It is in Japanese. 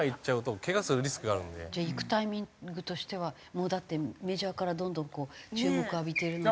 じゃあ行くタイミングとしてはもうだってメジャーからどんどん注目浴びてるのに。